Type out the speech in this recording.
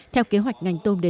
theo kế hoạch ngành tôm đề ra